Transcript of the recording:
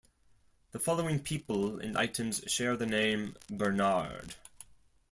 The following people and items share the name Bernard.